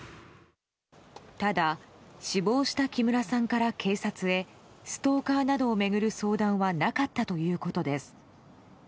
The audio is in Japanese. ただ、死亡した木村さんから警察へストーカーなどを巡る相談はなかったということです。